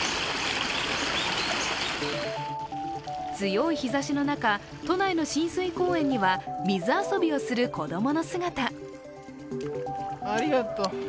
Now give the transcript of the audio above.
強い日ざしの中、都内の親水公園には水遊びをする子供の姿。